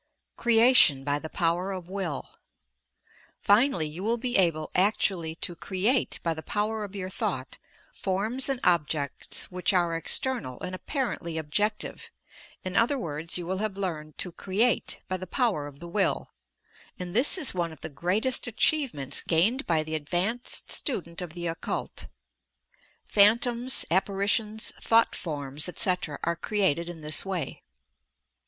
CREATION BY THE POWER OP WIU. Finally you will be able actually to create by the power of your thought, forms and objects which are ex ternal and apparently objective. In other words, you will have learned lo "create" by the power of the will, — and this is one of the greatest achievements gained by the advanced student of the occult. Phantoms, Appari tions, Thought Forms, etc., are created in this way.